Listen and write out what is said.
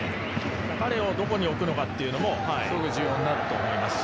彼をどこに置くのかというのもすごく重要になると思います。